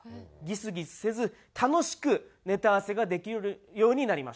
ギスギスせず楽しくネタ合わせができるようになりました。